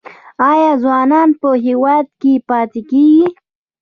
آیا ځوانان په هیواد کې پاتې کیږي؟